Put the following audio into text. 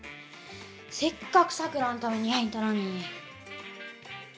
せっかくサクラのためにやいたのに。